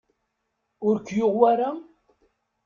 Ur k-yuɣ wayra?